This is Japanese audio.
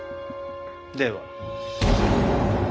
では。